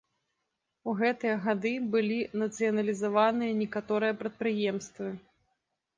У гэтыя гады былі нацыяналізаваныя некаторыя прадпрыемствы.